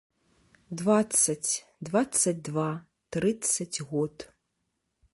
Дваццаць, дваццаць два, трыццаць год.